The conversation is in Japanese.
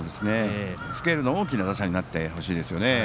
スケールの大きな打者になってほしいですね。